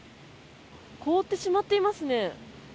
凍ってしまっていますね。